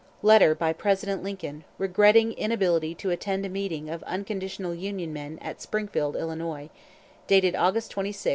(Letter by President Lincoln, regretting inability to attend a meeting of unconditional Union men at Springfield, Illinois; dated August 26, 1863, to J.